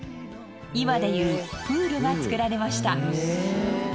今でいうプールが造られました。